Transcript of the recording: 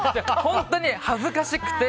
本当に恥ずかしくて。